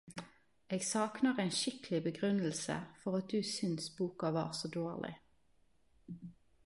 Eg saknar ein skikkelig begrunnelse for at du syns boka var så dårlig.